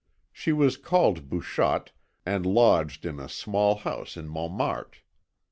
She was called Bouchotte and lodged in a small house in Montmartre.